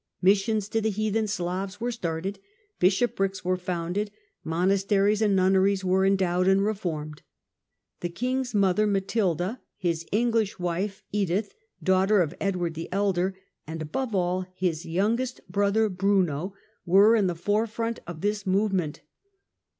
Missions to the heathen Slavs were started, bishoprics were founded, monasteries and nunneries were endowed and reformed. The king's mother Matilda, his English wife Edith, daughter of Edward the Elder, and, above all, his youngest brother Bruno, were in the forefront of this movement.